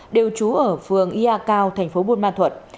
đều trú ở phường ia cao thành phố buôn ma thuận